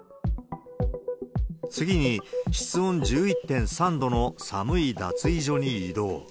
次に、室温１１．３度の寒い脱衣所に移動。